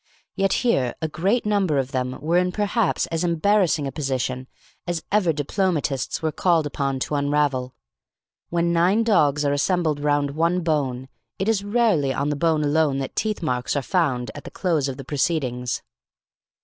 Yet here a great number of them were in perhaps as embarrassing a position as ever diplomatists were called upon to unravel. When nine dogs are assembled round one bone, it is rarely on the bone alone that teeth marks are found at the close of the proceedings.